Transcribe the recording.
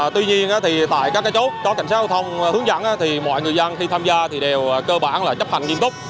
tuy nhiên thì tại các chốt có cảnh sát giao thông hướng dẫn thì mọi người dân khi tham gia thì đều cơ bản là chấp hành nghiêm túc